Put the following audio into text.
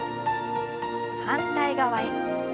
反対側へ。